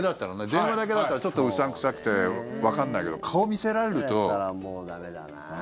電話だけだったらちょっとうさん臭くてわかんないけどもう駄目だな。